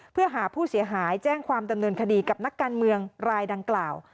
เพื่อหาผู้เสียหายแจ้งความดำเนินคดีกับนักการเมืองรายดังกล่าว